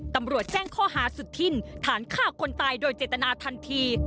ตำรวจแจ้งข้อหาสุธินฐานฆ่าคนตายโดยเจตนาทันที